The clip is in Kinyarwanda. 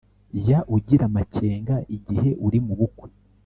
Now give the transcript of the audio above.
Jya ugira amakenga igihe uri mubukwe